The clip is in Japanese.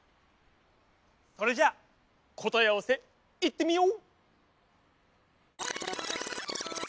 それじゃあこたえあわせいってみよう！